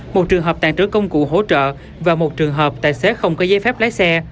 một trường hợp tàn trữ công cụ hỗ trợ và một trường hợp tài xế không có giấy phép lái xe